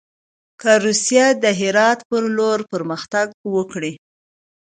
که روسیه د هرات پر لور پرمختګ وکړي.